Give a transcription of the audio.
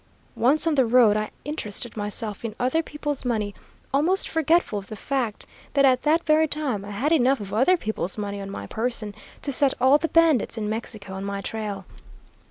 Once on the road I interested myself in 'Other People's Money,' almost forgetful of the fact that at that very time I had enough of other people's money on my person to set all the bandits in Mexico on my trail.